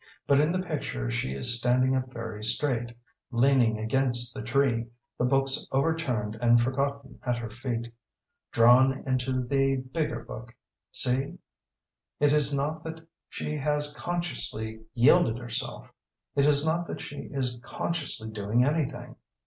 But in the picture she is standing up very straight, leaning against the tree, the books overturned and forgotten at her feet drawn into the bigger book see? It is not that she has consciously yielded herself. It is not that she is consciously doing anything.